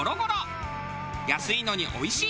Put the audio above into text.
安いのにおいしい！